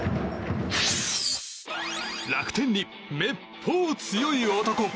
楽天にめっぽう強い男